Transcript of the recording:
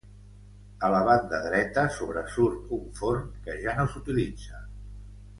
A la banda dreta sobresurt un forn que ja no s'utilitza.